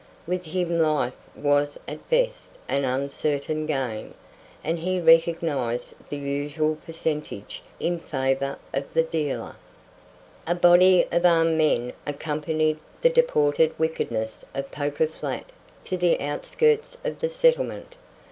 With him life was at best an uncertain game, and he recognized the usual percentage in favor of the dealer. A body of armed men accompanied the deported wickedness of Poker Flat to the outskirts of the settlement.